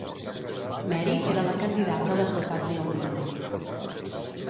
Meri era la candidata de Pro Patria Union.